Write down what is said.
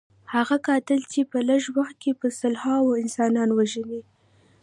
هغه قاتل چې په لږ وخت کې په سلهاوو انسانان وژني.